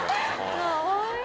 かわいい。